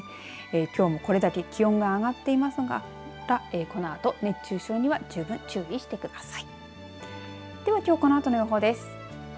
きょうもこれだけ気温が上がっていますからこのあと熱中症には十分注意してください。